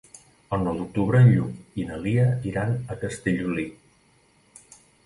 El nou d'octubre en Lluc i na Lia aniran a Castellolí.